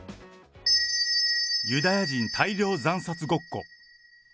ユダヤ人大量惨殺ごっこ。